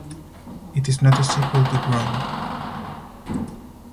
It is not a sequel to "Wrong".